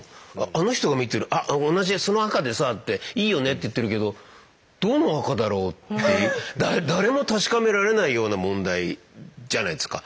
あの人が見てる「あっ同じその赤でさ」って「いいよね」って言ってるけどどの赤だろうって誰も確かめられないような問題じゃないですか。